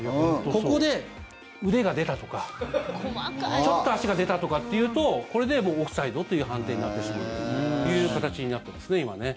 ここで腕が出たとかちょっと足が出たとかっていうとこれでもうオフサイドという判定になってしまうという形になっていますね、今はね。